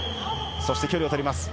そして距離をとります。